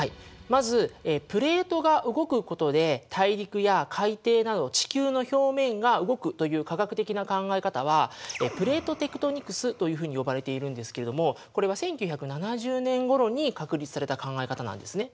まずプレートが動くことで大陸や海底など地球の表面が動くという科学的な考え方はプレートテクトニクスというふうに呼ばれているんですけれどもこれは１９７０年ごろに確立された考え方なんですね。